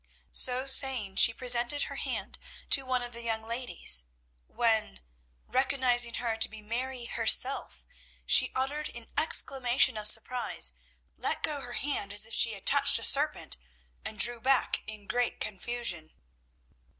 So saying, she presented her hand to one of the young ladies, when, recognising her to be Mary herself, she uttered an exclamation of surprise, let go her hand as if she had touched a serpent, and drew back in great confusion.